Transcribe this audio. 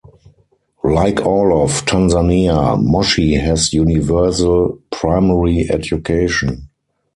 Like all of Tanzania, Moshi has universal primary education.